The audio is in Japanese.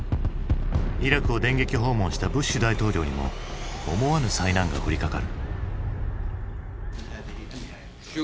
イラクを電撃訪問したブッシュ大統領にも思わぬ災難が降りかかる。